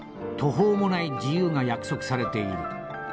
途方もない自由が約束されている』。